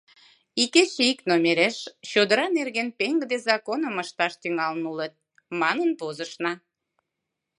Икече ик номереш «чодыра нерген пеҥгыде законым ышташ тӱҥалын улыт» манын возышна.